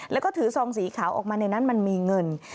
แล้วก็ถือซองสีขาวออกมาในนั้นมันมีเงิน